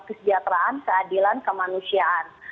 kesejahteraan keadilan kemanusiaan